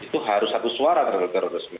itu harus satu suara terhadap terorisme